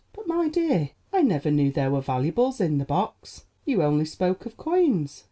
But, my dear, I never knew there were valuables in the box. You only spoke of coins."